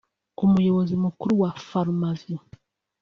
Umuyobozi Mukuru wa Pharmavie